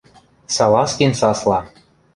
— Салазкин сасла.